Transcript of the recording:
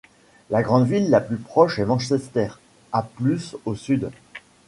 La grande ville la plus proche est Manchester, à plus au sud.